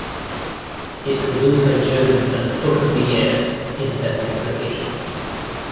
It was also chosen as "Book of the Year" in several publications.